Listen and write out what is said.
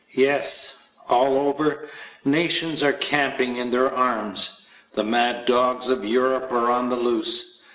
Yes, all over, nations are camping in their arms. The mad dogs of Europe are on the loose.